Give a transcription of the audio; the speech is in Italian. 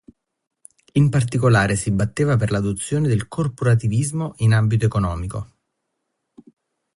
In particolare si batteva per l'adozione del corporativismo in ambito economico.